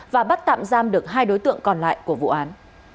và bắt tạm giam được hai đối tượng còn lại của vụ án